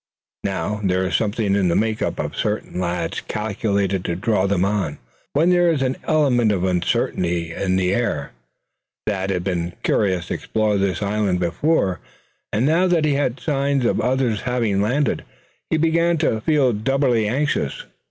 Now, there is something in the makeup of certain lads calculated to draw them on, when there is an element of uncertainty in the air. Thad had been curious to explore this island before; and now that he had seen signs of others having landed, he began to feel doubly anxious.